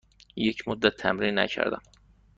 یک مدت تمرین نکردم.